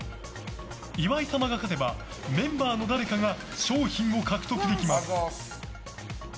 岩井様が勝てばメンバーの誰かが賞品を獲得できます。